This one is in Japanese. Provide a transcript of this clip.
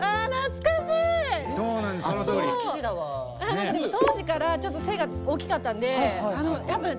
何かでも当時からちょっと背が大きかったんでやっぱね